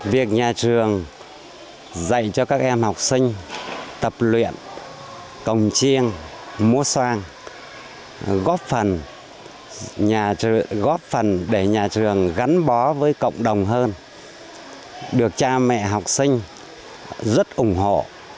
việc nhà trường dạy cho các em học sinh tập luyện cổng chiêng mố xoang góp phần để nhà trường gắn bó với cộng đồng hơn được cha mẹ học sinh rất ủng hộ